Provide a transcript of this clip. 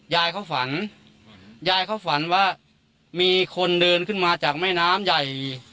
ยายเขาฝันยายเขาฝันว่ามีคนเดินขึ้นมาจากแม่น้ำใหญ่